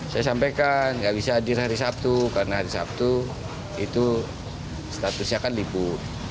saya sampaikan nggak bisa hadir hari sabtu karena hari sabtu itu statusnya kan ribut